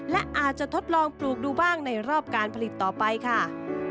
และอาจจะทดลองปลูกดูบ้างในรอบการผลิตต่อไปค่ะ